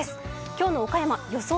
今日の岡山、予想